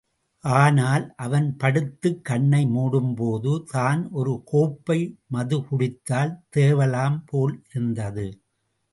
ஆனால், அவன் படுத்துக் கண்ணை மூடும்போது, தான் ஒரு கோப்பை மதுக்குடித்தால் தேவலாம் போல் இருந்தது.